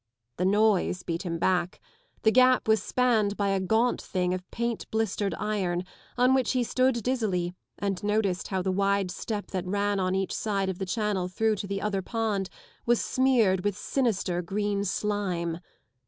The noise beat him back. The gap was spanned by a gaunt thing of paint blistered iron, on which he stood dizzily and noticed how the wide step that ran on each side of the channel through to the other pond was smeared with sinister green slime.